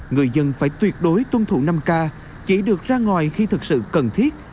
người dân phải tuyệt đối tuân thủ năm k chỉ được ra ngoài khi thực sự cần thiết